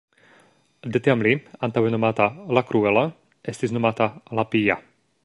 De tiam li, antaŭe nomata "la kruela", estis nomata "la pia".